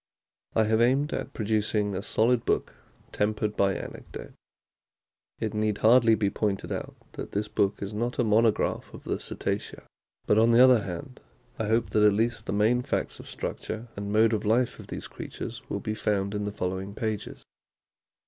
I have aimed at producing a solid book tempered by anec dote. It need hardly be pointed out that this book is not a monograph of the Cetacea ; but on the other hand, I hope that at least the main facts of structure and mode of life of these creatures will be found in the following pages.